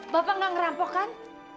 bapak gak ngerampok kan